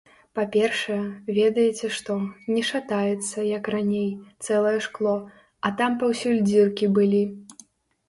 Па-першае, ведаеце што, не шатаецца, як раней, цэлае шкло, а там паўсюль дзіркі былі.